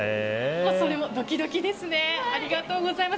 それもドキドキですね。